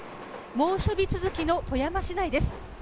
猛暑日続きの富山市内です。